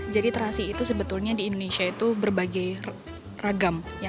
jadi terasi itu sebetulnya di indonesia itu berbagai ragam